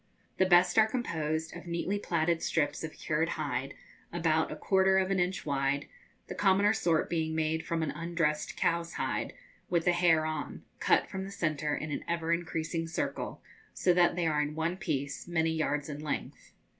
The best are composed of neatly plaited strips of cured hide, about a quarter of an inch wide, the commoner sort being made from an undressed cow's hide, with the hair on, cut from the centre in an ever increasing circle, so that they are in one piece, many yards in length.